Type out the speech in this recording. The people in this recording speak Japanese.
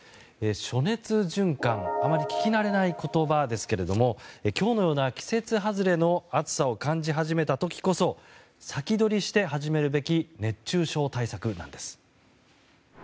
暑熱順化あまり聞きなれない言葉ですが今日のような季節外れの暑さを感じ始めた時こそ先取りして始めるべき熱中症対策なんです。